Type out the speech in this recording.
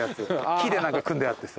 木で何か組んであってさ。